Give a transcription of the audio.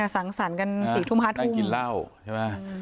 สังสรรค์กัน๔ทุ่ม๕ทุ่มกินเหล้าใช่ไหม